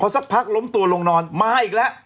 สักพักล้มตัวลงนอนมาอีกแล้ว